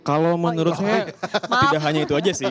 kalau menurut saya tidak hanya itu aja sih